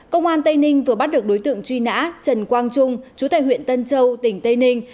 công an tây ninh vừa bắt được đối tượng truy nã trần quang trung chú tài huyện tân châu tỉnh tây ninh